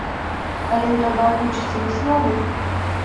Але трэба агучыць і высновы.